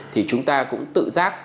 thì chúng ta cũng tự giác